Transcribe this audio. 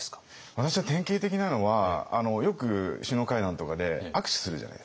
私は典型的なのはよく首脳会談とかで握手するじゃないですか。